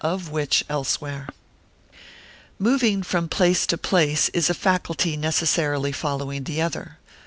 of which elsewhere. Moving from place to place, is a faculty necessarily following the other.